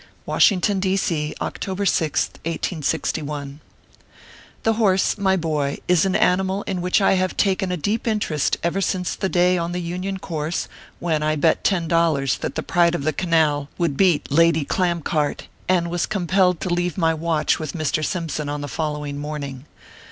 WASHINGTON, D. C., October Cth, 1861. THE horse, my boy, is an animal in which I have taken a deep interest ever since the day on the Union Course, when I bet ten dollars that the " Pride of the Canal "would beat "Lady Clamcart," and was compelled to leave my watch with Mr. Simpson on the following morning.